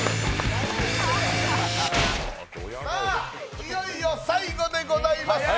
いよいよ最後でございます。